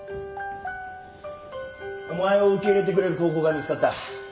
お前を受け入れてくれる高校が見つかった。